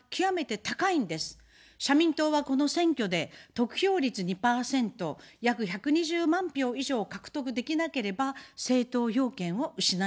社民党はこの選挙で、得票率２％、約１２０万票以上獲得できなければ、政党要件を失います。